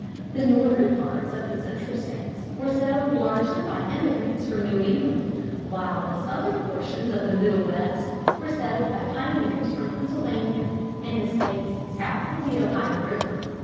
The northern parts of the Central states were settled largely by immigrants from New England, while the southern portions of the Middle West were settled by pioneers from Pennsylvania and the states south of the Ohio River.